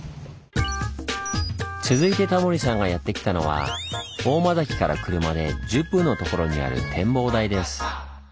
続いてタモリさんがやって来たのは大間崎から車で１０分のところにある展望台です。